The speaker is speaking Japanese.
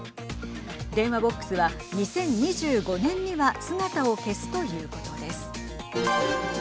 電話ボックスは２０２５年には姿を消すということです。